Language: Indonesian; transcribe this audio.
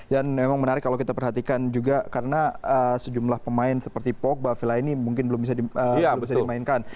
dan memang menarik kalau kita perhatikan juga karena sejumlah pemain seperti pogba vila ini mungkin belum bisa dimainkan